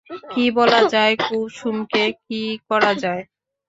কী বলা যায় কুসুমকে, কী করা যায়!